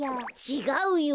ちがうよ。